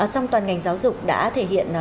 xong toàn ngành giáo dục đã thể hiện